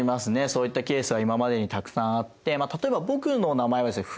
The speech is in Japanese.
そういったケースは今までにたくさんあって例えば僕の名前はですね